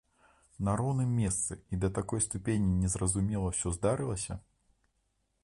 На роўным месцы і да такой ступені незразумела ўсё здарылася!